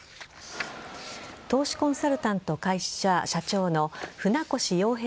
投資コンサルタント会社社長の船越洋平